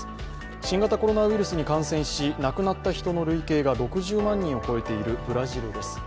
新型コロナウイルスに感染し亡くなった人の累計が６０万人を超えているブラジルです。